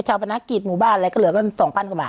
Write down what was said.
ได้เศษค่ะ